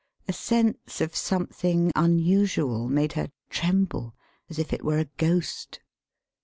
[A sense of something unusual made her tremble, as if it were a ghost.